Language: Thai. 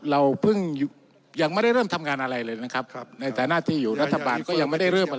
ครับเดินหน้าต่อนะครับท่านประธานครับ